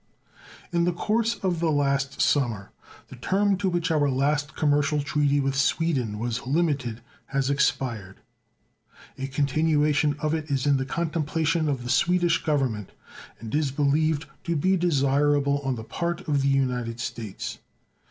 In the course of the last summer the term to which our last commercial treaty with Sweden was limited has expired. A continuation of it is in the contemplation of the Swedish Government, and is believed to be desirable on the part of the United States.